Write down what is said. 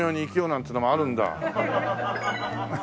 なんつうのもあるんだ。